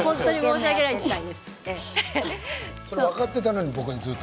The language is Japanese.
分かっていたのに僕にずっと？